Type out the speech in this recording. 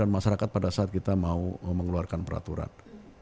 dan masyarakat pada saat kita mau mengeluarkan peraturan